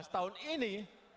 tiga belas tahun ini